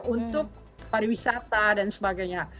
untuk pariwisata dan sebagainya